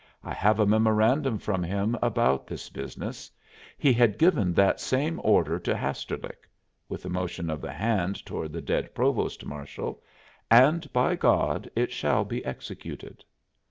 "I have a memorandum from him about this business; he had given that same order to Hasterlick" with a motion of the hand toward the dead provost marshal "and, by God! it shall be executed."